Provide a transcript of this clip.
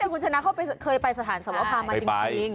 อ๋อแต่คุณชนะเคยไปสถานสมพันธุ์มาจริง